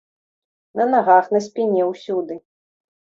На нагах, на спіне, усюды.